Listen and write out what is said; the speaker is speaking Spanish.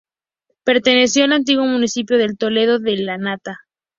Perteneció al antiguo municipio del Toledo de La Nata.